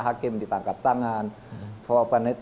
hal yang dikatakan oleh hakim